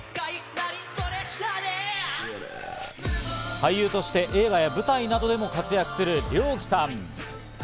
俳優として映画や舞台などでも活躍するリョウキさん。